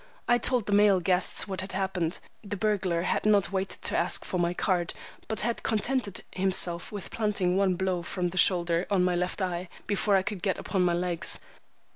I told the male guests what had happened. The burglar had not waited to ask for my card, but had contented himself with planting one blow from the shoulder on my left eye, before I could get upon my legs.